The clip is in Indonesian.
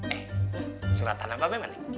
eh surat tanah bapak bani